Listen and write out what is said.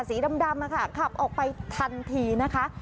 สีดำขับออกไปทันทีนะคะ